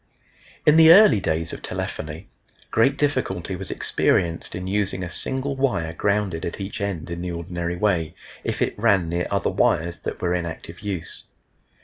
In the early days of telephony great difficulty was experienced in using a single wire grounded at each end in the ordinary way, if it ran near other wires that were in active use.